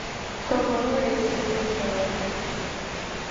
Her brother is Sid Lucero.